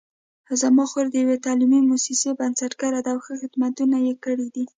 زما خور د یوې تعلیمي مؤسسې بنسټګره ده او ښه خدمتونه یې کړي دي